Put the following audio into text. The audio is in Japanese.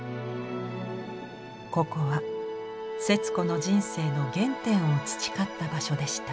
ここは節子の人生の原点を培った場所でした。